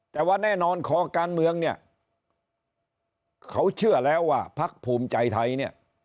แต่ว่าแน่นอนขอการเมืองเขาเชื่อแล้วว่าภักดิ์ภูมิใจไทย